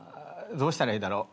どうしたらいいだろう？